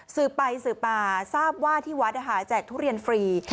สืบไปสืบมาทราบว่าที่วัดแจกทุเรียนฟรี